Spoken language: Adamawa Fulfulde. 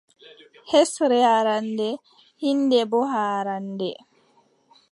Hesre haarannde, hiinde boo haarannde.